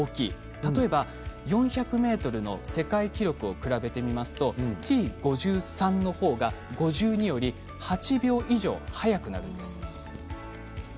例えば４００ｍの世界記録を比べてみますとＴ５３のほうが５２より８秒以上速くなるんです。